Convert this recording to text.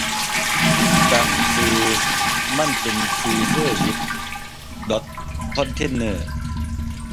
ตั้งชื่อมันเป็นชื่อเซอร์วิสดอทคอนเทอนเนอร์